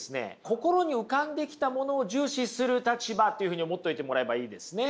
心に浮かんできたものを重視する立場というふうに思っといてもらえばいいですね。